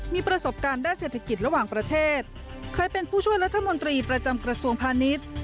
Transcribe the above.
มีประสบการณ์ด้านเศรษฐกิจระหว่างประเทศเคยเป็นผู้ช่วยรัฐมนตรีประจำกระทรวงพาณิชย์